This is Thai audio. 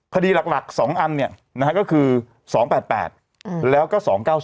คดีหลัก๒อันเนี่ยนะฮะก็คือ๒๘๘แล้วก็๒๙๓